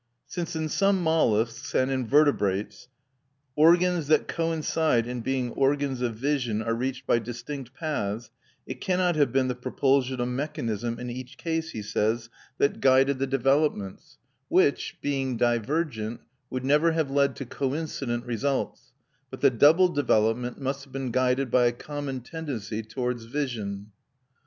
Since in some molluscs and in vertebrates organs that coincide in being organs of vision are reached by distinct paths, it cannot have been the propulsion of mechanism in each case, he says, that guided the developments, which, being divergent, would never have led to coincident results, but the double development must have been guided by a common tendency towards vision.